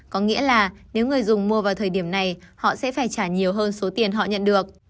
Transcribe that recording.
có nghĩa là nếu người dùng mua vào thời điểm này họ sẽ phải trả nhiều hơn số tiền họ nhận được